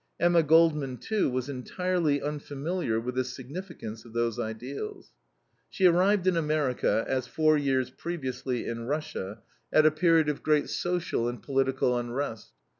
Emma Goldman, too, was entirely unfamiliar with the significance of those ideals. She arrived in America, as four years previously in Russia, at a period of great social and political unrest.